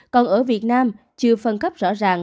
còn ở việt nam chưa phân cấp rõ ràng